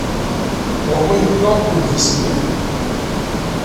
Ɣer-m ay yella udlis-nni?